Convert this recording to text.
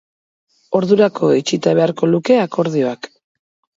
Ordurako itxita beharko luke akordioak.